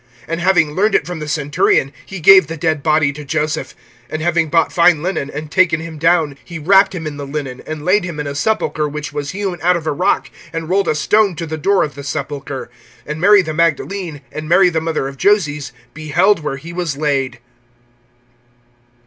(45)And having learned it from the centurion, he gave the dead body to Joseph. (46)And having bought fine linen, and taken him down, he wrapped him in the linen, and laid him in a sepulchre which was hewn out of a rock, and rolled a stone to the door of the sepulchre. (47)And Mary the Magdalene, and Mary the mother of Joses, beheld where he was laid.